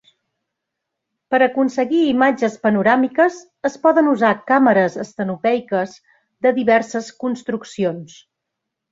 Per aconseguir imatges panoràmiques es poden usar càmeres estenopeiques de diverses construccions.